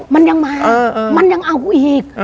มันยังมามันยังเอากูอีก